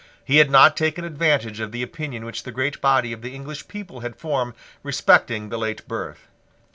He had not taken advantage of the opinion which the great body of the English people had formed respecting the late birth.